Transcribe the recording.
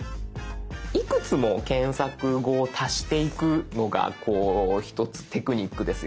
いくつも検索語を足していくのがこう一つテクニックですよね。